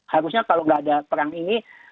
harusnya kalau nggak ada perang ini